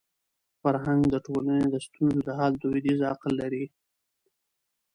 فرهنګ د ټولني د ستونزو د حل دودیز عقل لري.